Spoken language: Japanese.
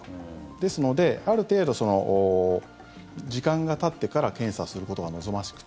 ですのである程度、時間がたってから検査することが望ましくて。